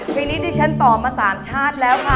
เพลงนี้ที่ฉันต่อมา๓ชาติแล้วค่ะ